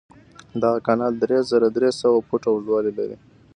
دغه کانال درې زره درې سوه فوټه اوږدوالی لري.